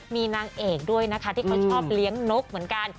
มีนางเอกด้วยนะคะที่เขาชอบเลี้ยงนกเหมือนกัน